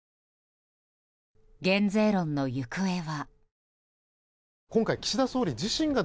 減税論の行方は。